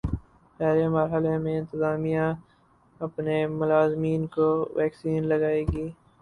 پہلے مرحلے میں انتظامیہ اپنے ملازمین کو ویکسین لگائے گی